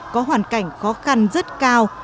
có hoàn cảnh khó khăn rất cao